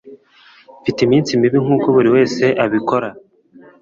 mfite iminsi mibi nkuko buri wese abikora